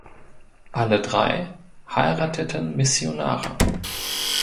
Alle drei heirateten Missionare.